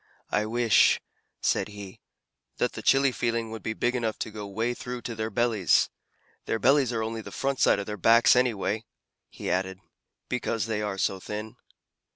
"I wish," said he, "that the chilly feeling would be big enough to go way through to their bellies. Their bellies are only the front side of their backs, anyway," he added, "because they are so thin."